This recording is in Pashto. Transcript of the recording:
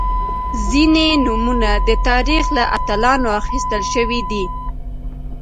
• ځینې نومونه د تاریخ له اتلانو اخیستل شوي دي.